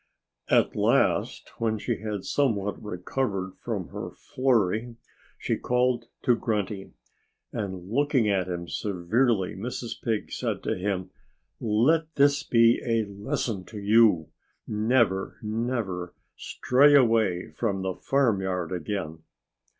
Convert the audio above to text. At last, when she had somewhat recovered from her flurry, she called to Grunty. And looking at him severely Mrs. Pig said to him, "Let this be a lesson to you. Never, never stray away from the farmyard again!"